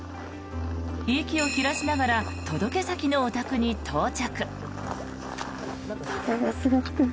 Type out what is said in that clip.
息を切らしながら届け先のお宅に到着。